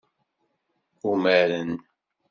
Umaren.